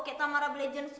kayak tamarab legend